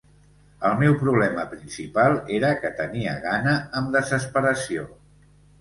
El meu problema principal era que tenia gana amb desesperació.